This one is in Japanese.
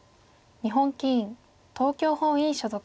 日本棋院東京本院所属。